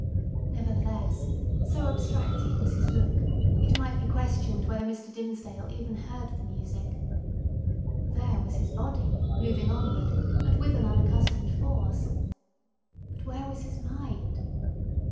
Nevertheless, so abstracted was his look, it might be questioned whether Mr. Dimmesdale even heard the music. There was his body, moving onward, and with an unaccustomed force. But where was his mind?